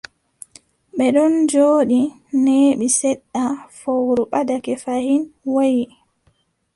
Ɓe ɗon njooɗi, neeɓi seɗɗa, fowru ɓadake fayin, woyi.